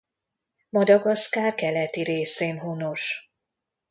Madagaszkár keleti részén honos.